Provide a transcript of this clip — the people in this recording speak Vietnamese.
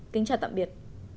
kính chào tạm biệt